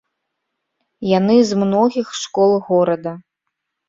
Яны з многіх школ горада.